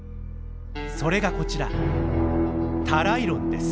それがこちらタライロンです。